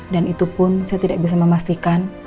dan itu pun saya tidak bisa memastikan